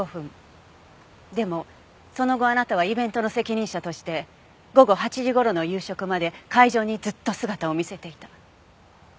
でもその後あなたはイベントの責任者として午後８時頃の夕食まで会場にずっと姿を見せていた。